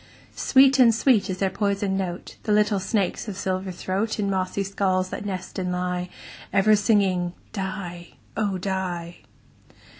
Sweet and sweet is their poisoned note, The little snakes' of silver throat, In mossy skulls that nest and lie, Ever singing "die, oh! die."